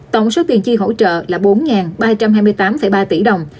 tổng số tiền chi hỗ trợ là bốn ba trăm hai mươi tám ba tỷ đồng